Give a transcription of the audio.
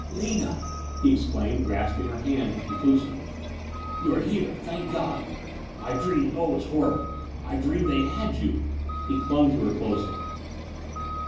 "Lina!" he exclaimed, grasping her hand conclusively. "You're here, thank God! I dreamed oh, it was horrible I dreamed they had you." He clung to her closely.